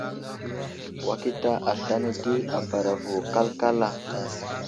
Wakita aslane di a bara vo kalkala.